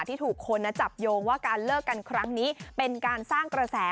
ที่ถูกคนจับโยงว่าการเลิกกันครั้งนี้เป็นการสร้างกระแส